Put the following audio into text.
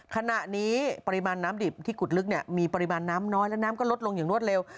ขณะนี้ปริมาณน้ำดิบที่ขุดลึกมีปริมาณน้ำน้อยและน้ำก็ลดลงอย่างรวดเร็ว